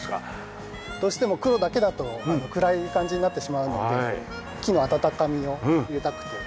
どうしても黒だけだと暗い感じになってしまうので木の温かみを入れたくて。